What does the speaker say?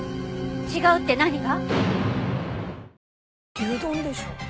違うって何が？